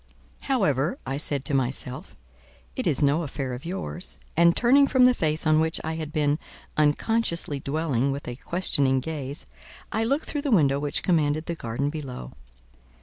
"However," I said to myself, "it is no affair of yours;" and turning from the face on which I had been unconsciously dwelling with a questioning gaze, I looked through the window which commanded the garden below.